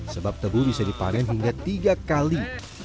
sebab tebu bisa dipanen hingga tiga kali